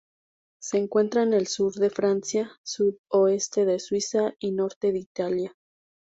Se encuentra en el sur de Francia, sud-oeste de Suiza y norte de Italia.